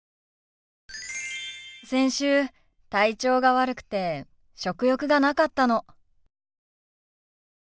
先週体調が悪くて食欲がなかったの。